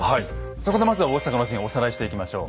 そこでまずは大坂の陣おさらいしていきましょう。